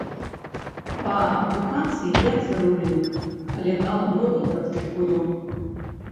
Па адукацыі я цырульнік, але даўно не практыкую.